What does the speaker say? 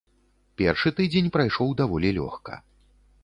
Першы тыдзень прайшоў даволі лёгка.